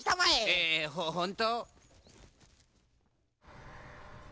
えほほんと？